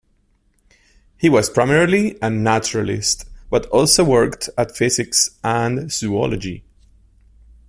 He was primarily a naturalist, but also worked at physics and zoology.